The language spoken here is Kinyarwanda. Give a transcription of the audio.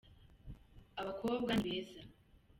Abakobwa ni beza.